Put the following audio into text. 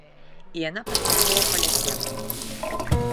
І яна паспяхова паляцела!